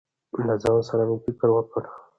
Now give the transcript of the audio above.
له ځان سره مې فکر وکړ.